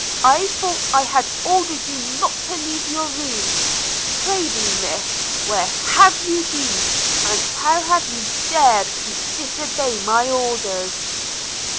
I thought I had ordered you not to leave your room. Pr'ythee, Miss, where have you been? and how have you dared to disobey my orders?'